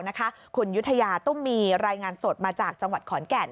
คุณยุธยาตุ้มมีรายงานสดมาจากจังหวัดขอนแก่น